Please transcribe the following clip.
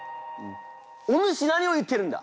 お主何を言ってるんだ！